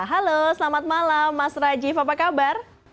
halo selamat malam mas rajif apa kabar